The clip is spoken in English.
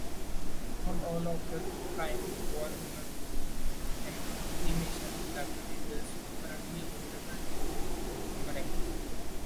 Not all of the Time Warner animation library is currently available to Boomerang.